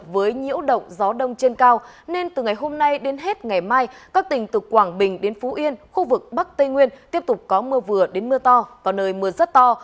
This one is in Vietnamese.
với nhiễu động gió đông trên cao nên từ ngày hôm nay đến hết ngày mai các tỉnh từ quảng bình đến phú yên khu vực bắc tây nguyên tiếp tục có mưa vừa đến mưa to có nơi mưa rất to